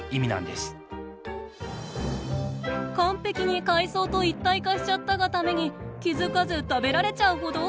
完璧に海藻と一体化しちゃったがために気付かず食べられちゃうほど。